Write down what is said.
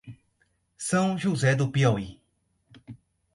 São José do Piauí